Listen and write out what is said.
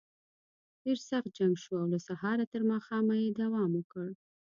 ډېر سخت جنګ شو او له سهاره تر ماښامه یې دوام وکړ.